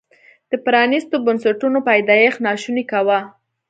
د پرانیستو بنسټونو پیدایښت ناشونی کاوه.